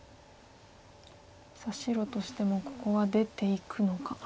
さあ白としてもここは出ていくのか。